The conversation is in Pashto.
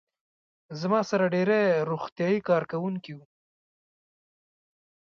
زما سره ډېری روغتیايي کارکوونکي وو.